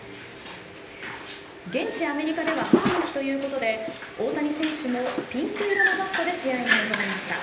現地アメリカでは母の日ということで、大谷選手もピンク色のバットで試合に臨みました。